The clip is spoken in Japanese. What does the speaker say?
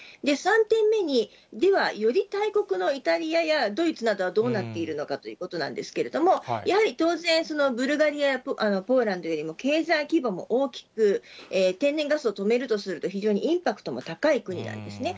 ３点目に、ではより大国のイタリアやドイツなどはどうなっているのかということなんですけれども、やはり当然、ブルガリア、ポーランドよりも経済規模が大きく、天然ガスを止めるとすると、非常にインパクトも高い国なんですね。